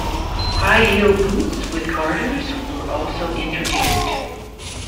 High-heel boots with garters were also introduced.